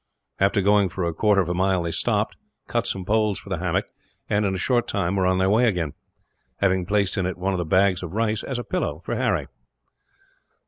After going for a quarter of a mile they stopped, cut some poles for the hammock and, in a short time, were on their way again; having placed in it one of the bags of rice, as a pillow for Harry.